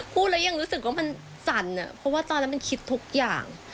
พูดแล้วยังรู้สึกว่ามันสั่นเพราะว่าตอนนั้นมันคิดทุกอย่าง